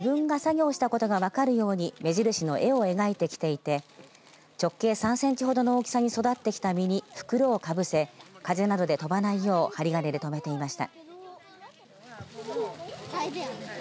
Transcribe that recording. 子どもたちは実にかける紙製の袋に自分が作業したことが分かるように目印の絵を描いてきていて直径３センチほどの大きさに育ってきた実に袋をかぶせ風などで飛ばないよう針金で止めていました。